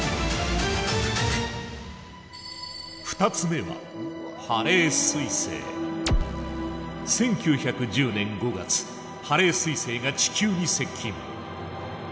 ２つ目は１９１０年５月ハレー彗星が地球に接近。